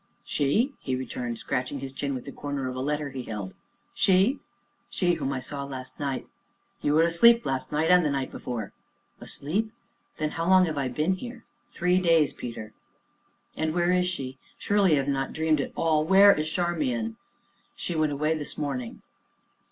"She?" he returned, scratching his chin with the corner of a letter he held; "she?" "She whom I saw last night " "You were asleep last night, and the night before." "Asleep? then how long have I been here?" "Three days, Peter." "And where is she surely I have not dreamed it all where is Charmian?" "She went away this morning."